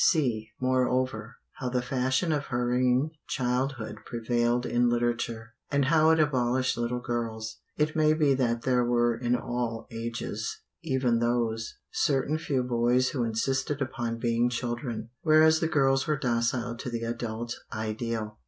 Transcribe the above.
See, moreover, how the fashion of hurrying childhood prevailed in literature, and how it abolished little girls. It may be that there were in all ages even those certain few boys who insisted upon being children; whereas the girls were docile to the adult ideal.